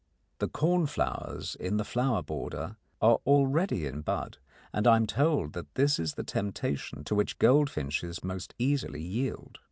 The cornflowers in the flower border are already in bud, and I am told that this is the temptation to which goldfinches most easily yield.